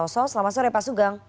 selamat sore mbak